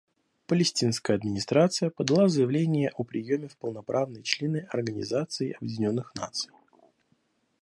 Палестинская администрация подала заявление о приеме в полноправные члены Организации Объединенных Наций.